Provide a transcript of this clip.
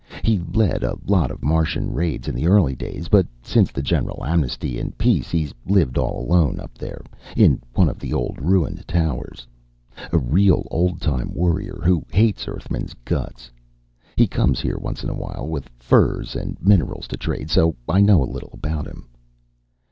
He led a lot of Martian raids in the early days, but since the general amnesty and peace he's lived all alone up there, in one of the old ruined towers. A real old time warrior who hates Earthmen's guts. He comes here once in a while with furs and minerals to trade, so I know a little about him."